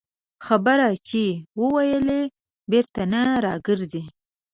خبره چې ووېلې، بېرته نه راګرځي